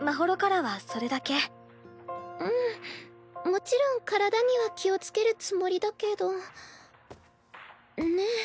もちろん体には気をつけるつもりだけどねえ